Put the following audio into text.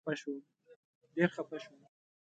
ډېر خپه شوم.